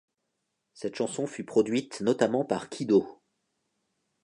Cette chanson fut produite notamment par Kidoh.